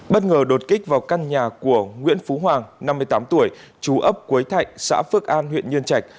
bất ngờ đột kích vào căn nhà của nguyễn phú hoàng năm mươi tám tuổi chú ấp quế thạnh xã phước an huyện nhân trạch